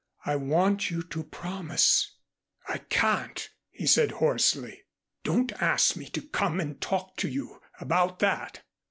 I want you to promise " "I can't," he said hoarsely. "Don't ask me to come and talk to you about that."